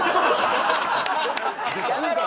やめろ！